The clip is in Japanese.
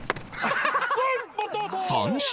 三振